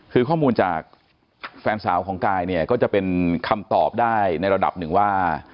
คือข้อมูลจากแฟนสาวของกายเนี่ยก็จะเป็นคำตอบได้ในระดับหนึ่งว่า